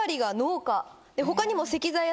他にも。